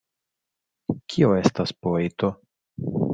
Kio estas poeto?